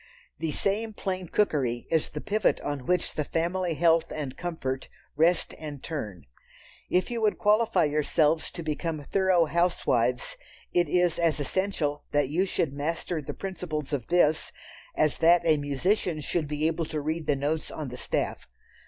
The same "plain cookery" is the pivot on which the family health and comfort rest and turn. If you would qualify yourselves to become thorough housewives, it is as essential that you should master the principles of this, as that a musician should be able to read the notes on the staff.